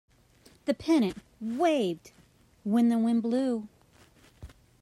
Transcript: The pennant waved when the wind blew.